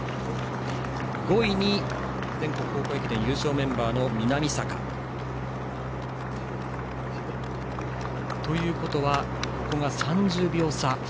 ５位に全国高校駅伝優勝メンバーの南坂。ということは、ここが３０秒差。